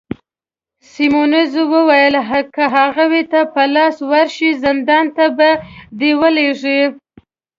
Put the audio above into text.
سیمونز وویل: که هغوی ته په لاس ورشې، زندان ته به دي ولیږي.